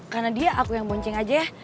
karena dia aku yang boncing aja ya